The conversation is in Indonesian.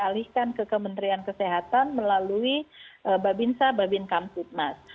dan dialihkan ke kementerian kesehatan melalui babinsa babinkam fitmas